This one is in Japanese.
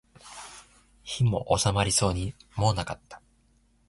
火も納まりそうもなかった